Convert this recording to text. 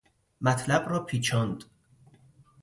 مطلب را پیچاند.